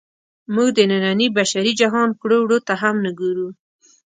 موږ د ننني بشري جهان کړو وړو ته هم نه ګورو.